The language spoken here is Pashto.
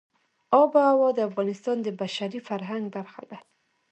آب وهوا د افغانستان د بشري فرهنګ برخه ده.